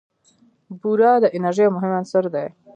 بوره د انرژۍ یو مهم عنصر دی.